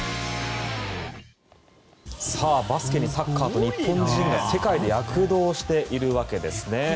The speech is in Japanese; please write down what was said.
バスケにサッカーと日本人が世界で躍動しているわけですね。